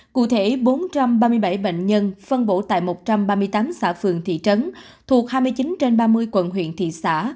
cụ thể bốn trăm ba mươi bảy bệnh nhân phân bổ tại một trăm ba mươi tám xã phường thị trấn thuộc hai mươi chín trên ba mươi quận huyện thị xã